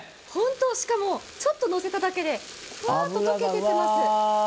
しかもちょっとのせただけでちょっと溶けています。